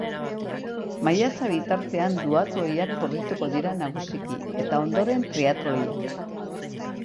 Maiatza bitartean duatloiak korrituko dira nagusiki, eta ondoren triatloiak.